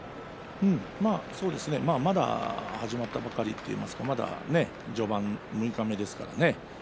そうですねまだ始まったばかりといいますかまだ序盤六日目ですからね。